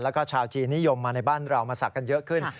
แล้วก็ชาวจีนนิยมมาในบ้านเรามาสักกันเยอะขึ้น